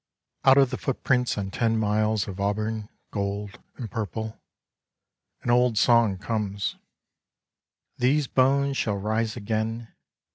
*' Out of the footprints on ten miles of auburn, gold and purple — an old song comes: These bones shall rise again.